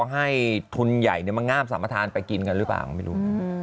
รอให้ทุนใหญ่มางามสรรพาห์ทาลไปกินกันหรือเปล่าไม่รู้